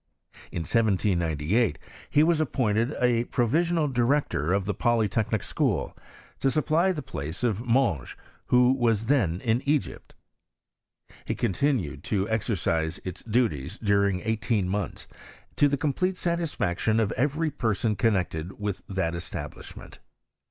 In 1798 he was appointed a provisional director of the Polytechnic School, to supply the place of Monge, who was then in Egypt. He continued to exercise its duties during eighteen months, to the complete satisfaction of every person connected with that es tablishment.